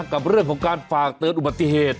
กับเรื่องของการฝากเตือนอุบัติเหตุ